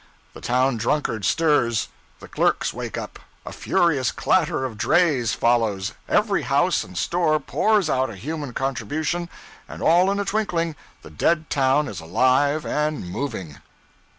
The town drunkard stirs, the clerks wake up, a furious clatter of drays follows, every house and store pours out a human contribution, and all in a twinkling the dead town is alive and moving.